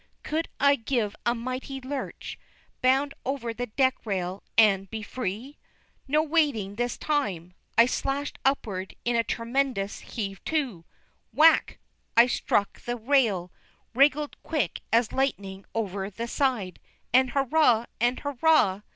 could I give a mighty lurch, bound over the deck rail, and be free? No waiting this time! I slashed upward in a tremendous "heave to." Whack! I struck the rail, wriggled quick as lightning over the side, and hurrah and hurrah!